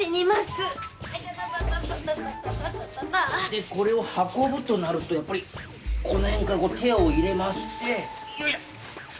でこれを運ぶとなるとやっぱりこの辺からこう手を入れましてよいしょ！